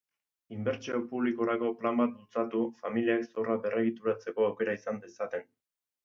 Inbertsio publikorako plan bat bultzatu, familiek zorra berregituratzeko aukera izan dezaten.